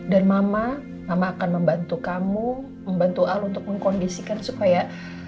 dan mama mama akan membantu kamu membantu al untuk mengkondisikan supaya